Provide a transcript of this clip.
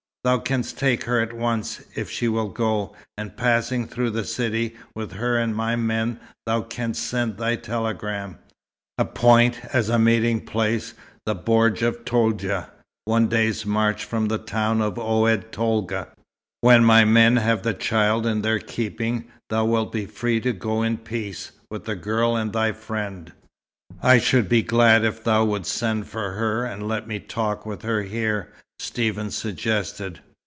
Thou canst take her at once, if she will go; and passing through the city, with her and my men, thou canst send thy telegram. Appoint as a meeting place the Bordj of Toudja, one day's march from the town of Oued Tolga. When my men have the child in their keeping, thou wilt be free to go in peace with the girl and thy friend." "I should be glad if thou wouldst send for her, and let me talk with her here," Stephen suggested.